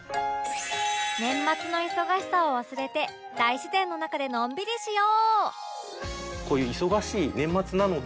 年末の忙しさを忘れて大自然の中でのんびりしよう！